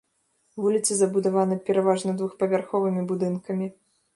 Вуліца забудавана пераважна двухпавярховымі будынкамі.